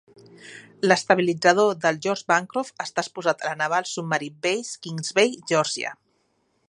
L'estabilitzador del "Geoge Bancroft" està exposat a la "Naval Submarine Base Kings Bay", Geòrgia.